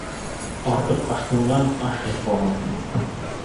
Артыҡ ашҡынған ашһыҙ ҡалыр